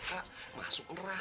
kamu tuh ngelupas